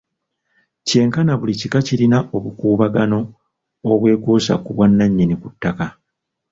Kyenkana buli kika kirina obukuubagano obwekuusa ku bwannannyini ku ttaka.